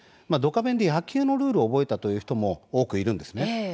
「ドカベン」で野球のルールを覚えたという人も多くいるんですね。